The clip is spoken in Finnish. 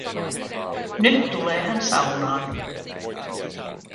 Nyt tulee hän saunaan.